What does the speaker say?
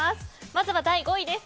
まずは第５位。